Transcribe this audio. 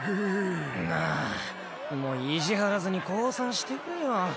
なあもう意地張らずに降参してくれよ。